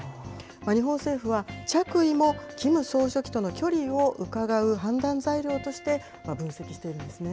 日本政府は、着衣もキム総書記との距離をうかがう判断材料として、分析しているんですね。